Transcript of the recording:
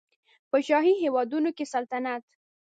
په شاهي هېوادونو کې سلطنت